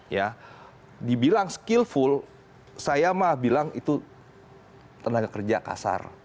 ya dibilang skillful saya mah bilang itu tenaga kerja kasar